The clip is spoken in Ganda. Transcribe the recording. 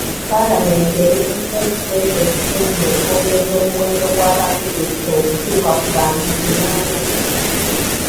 Paalamenti eyisizza ekiteeso ekisemba okwongeza omuwendo gwa baminisita okutuuka ku bantu kinaana.